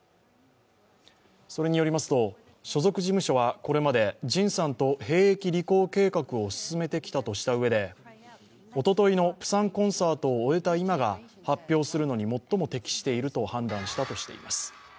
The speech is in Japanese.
それによりますと、所属事務所はこれまでＪＩＮさんと兵役履行計画を進めてきたとしたうえでおとといのプサンコンサートを終えた今が、発表するのに最も適していると判断したとしています。